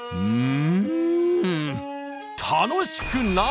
うん。